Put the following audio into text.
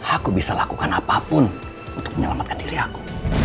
aku bisa lakukan apapun untuk menyelamatkan diri aku